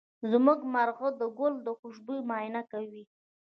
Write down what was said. زمونږ مرغه د ګل د خوشبو معاینه کوي.